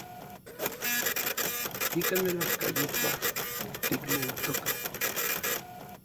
Ikan melajkayopaj tikneltokaj.